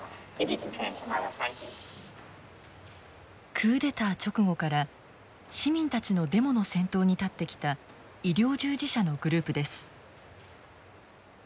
クーデター直後から市民たちのデモの先頭に立ってきた医療従事者のグループです。